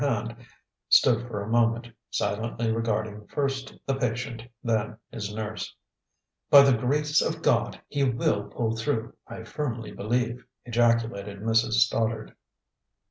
Hand stood for a moment, silently regarding first the patient, then his nurse. "By the grace of God, he will pull through, I firmly believe!" ejaculated Mrs. Stoddard.